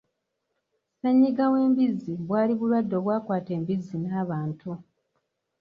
Ssennyinga w'embizzi bwali bulwadde obwakata embizzi n'abantu.